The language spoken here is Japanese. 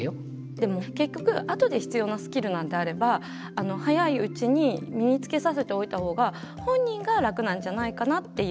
でも結局あとで必要なスキルなんであれば早いうちに身につけさせておいた方が本人が楽なんじゃないかなっていう。